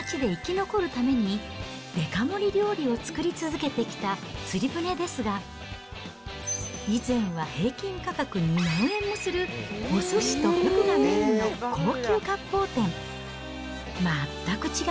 学生の街で生き残るために、デカ盛り料理を作り続けてきたつり舟ですが、以前は平均価格２万円もするおすしとフグがメインの高級割烹店。